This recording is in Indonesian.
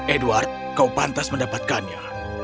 edward kau pantas mendapatkannya